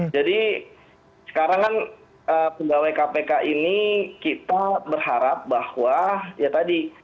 jadi sekarang kan pegawai kpk ini kita berharap bahwa ya tadi